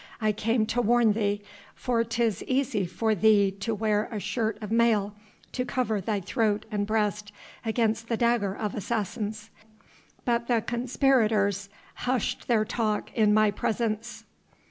I came to warn thee ... for 'tis easy for thee to wear a shirt of mail to cover thy throat and breast against the dagger of assassins. But the conspirators hushed their talk in my presence.